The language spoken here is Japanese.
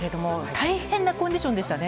大変なコンディションでしたね。